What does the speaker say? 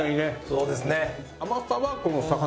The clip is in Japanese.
そうですね。